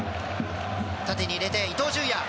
縦に入れて、伊東純也。